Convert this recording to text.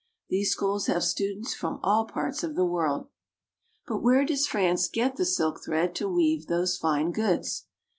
These schools have students from all parts of the world. But where does France get the silk thread to weave these fine goods